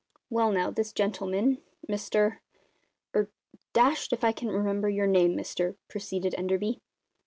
"Well, now, this gentleman, Mr er dashed if I can remember your name, mister!" proceeded Enderby.